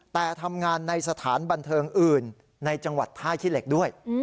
แต่ทำงานในสถานบันเทิงอื่นในจังหวัดท่าขี้เหล็กด้วย